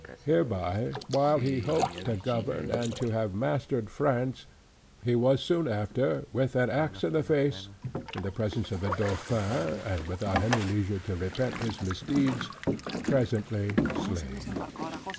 Hereby, while he hoped to govern, and to have mastered France, he was soon after struck with an axe in the face, in the presence of the Dauphin; and, without any leisure to repent his misdeeds, presently slain.